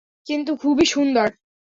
কিন্তু খুবই সুন্দর।